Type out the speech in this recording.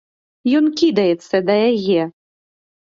Ён кідаецца да яе.